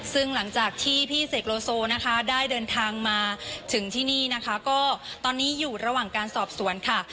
ซึ่งหลังจากที่พี่เสกโลโซนะคะได้เดินทางมาถึงที่นี่นะคะก็ตอนนี้อยู่ระหว่างการสอบสวนค่ะ